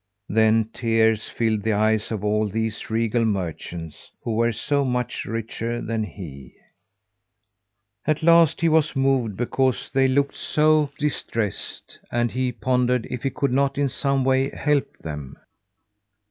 Then tears filled the eyes of all these regal merchants, who were so much richer than he. At last he was moved because they looked so distressed, and he pondered if he could not in some way help them.